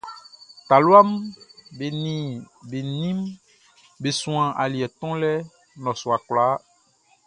Taluaʼm be nin be ninʼm be suan aliɛ tonlɛ nnɔsua kwlaa.